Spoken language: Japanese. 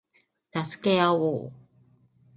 助け合おう